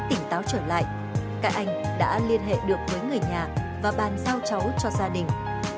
tỉnh táo trở lại các anh đã liên hệ được với người nhà và bàn giao cháu cho gia đình